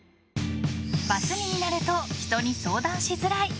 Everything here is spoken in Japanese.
バツ２になると人に相談しづらい。